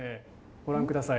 ご覧ください。